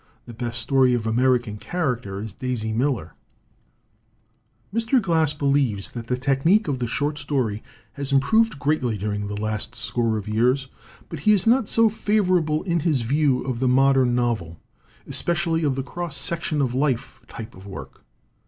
The best story of Ameri can character is 'Daisy Miller/" Mr. Glass believes that the technique of the short story has improved greatly during the last 59 LITERATURE IN THE MAKING score of years, but he is not so favorable in his view of the modern novel, especially of the "cross section of life" type of work.